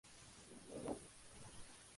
Él es un pionero de la economía experimental.